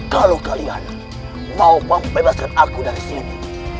kalau kalian mau membebaskan aku dari sini